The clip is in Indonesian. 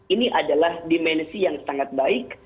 ini adalah dimensi yang sangat baik